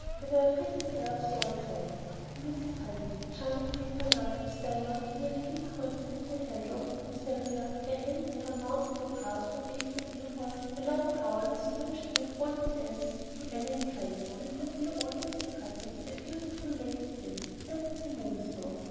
There were a pretty pair of salt cellars from Mrs. Redding, a charming paper knife of silver, with an antique coin set in the handle, from Sylvia, a hand mirror mounted in brass from Esther Dearborn, a long towel with fringed and embroidered ends from Ellen Gray, and from dear old Mrs. Redding a beautiful lace pin set with a moonstone.